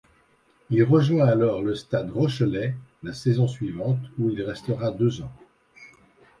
Il rejoint alors le Stade rochelais la saison suivante, où il restera deux ans.